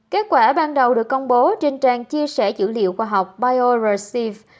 kết quả ban đầu được công bố trên trang chia sẻ dữ liệu khoa học biorec